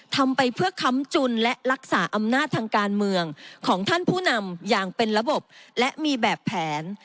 ทำไปเพื่อค้ำจุนและรักษาอำนาจทางการเมืองของท่านผู้นำอย่างเป็นระบบและมีแบบแผน